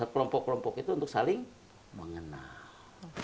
kelompok kelompok itu untuk saling mengenal